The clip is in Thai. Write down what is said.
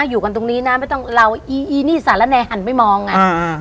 อยู่กันตรงนี้นะไม่ต้องเราอีอีนี่สาระแนหันไปมองไงอ่า